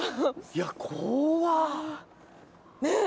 いや怖っ！ねぇ！